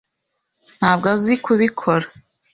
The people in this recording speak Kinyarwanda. ntabwo azi kubikora.